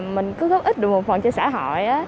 mình cứ góp ít được một phần cho xã hội